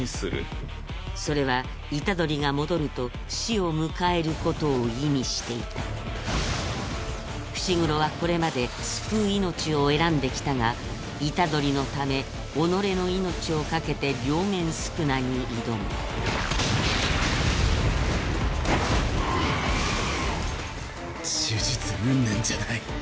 ドクンドクンそれは虎杖が戻ると死を迎えることを意味していた伏黒はこれまで救う命を選んできたが虎杖のため己の命を懸けて両面宿儺に挑むキィーー！